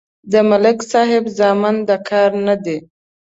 د ملک صاحب زامن د کار نه دي.